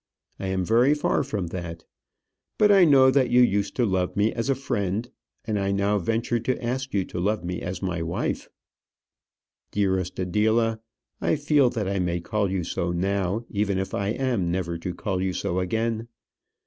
I am very far from that. But I know that you used to love me as a friend and I now venture to ask you to love me as my wife. Dearest Adela! I feel that I may call you so now, even if I am never to call you so again.